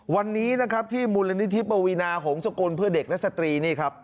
วันนี้ที่มูลนิธิปวีนาของสกุลเพื่อเด็กและสตรี